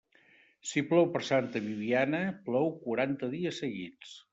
Si plou per Santa Bibiana, plou quaranta dies seguits.